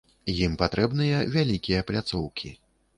Ім патрэбныя вялікія пляцоўкі.